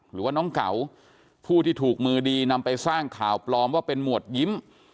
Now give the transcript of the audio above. หรือว่าน้องเก๋าผู้ที่ถูกมือดีนำไปสร้างข่าวปลอมว่าเป็นหมวดยิ้ม